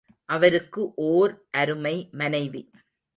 அவருக்கு ஓர் அருமை மனைவி.